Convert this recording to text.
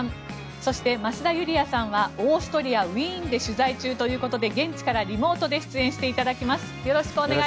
そして、増田ユリヤさんはオーストリア・ウィーンで取材中ということで現地からリモートで出演していただきます。